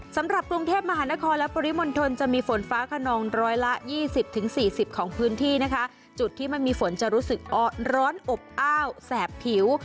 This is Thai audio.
สำหรับกรุงเทพมหานครและปริมณฑลจะมีฝนฟ้าขนองร้อยละยี่สิบถึงสี่สิบของพื้นที่นะคะจุดที่มันมีฝนจะรู้สึกร้อนอบอ้าวแสบผิว